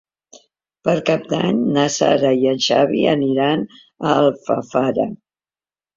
Per Cap d'Any na Sara i en Xavi aniran a Alfafara.